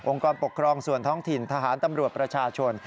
กรปกครองส่วนท้องถิ่นทหารตำรวจประชาชน